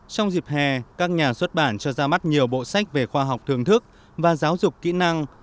trong dịp hè các nhà xuất bản cho ra mắt nhiều bộ sách về khoa học thưởng thức và giáo dục kỹ năng